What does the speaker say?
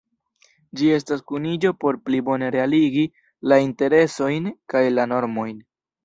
Ĝi estas kuniĝo por pli bone realigi la interesojn kaj la normojn.